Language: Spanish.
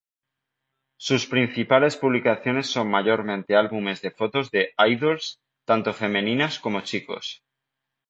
Sus principales publicaciones son mayormente álbumes de fotos de "Idols", tanto femeninas como chicos.